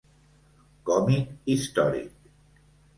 Còmic històric: